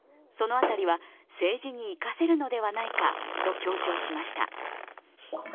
その辺りは政治に生かせるのではないかと強調しました。